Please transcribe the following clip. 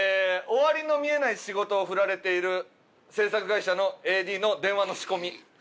終わりの見えない仕事を振られている制作会社のＡＤの電話の仕込み。